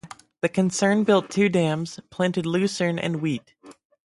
The concern built two dams, planted lucerne and wheat.